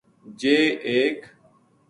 جے ایک